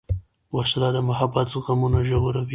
وسله د محبت زخمونه ژوروي